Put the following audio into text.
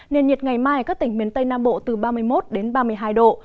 nền nhiệt ngày mai ở các tỉnh miền tây nam bộ từ ba mươi một đến ba mươi hai độ